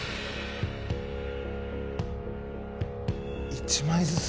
１枚ずつ。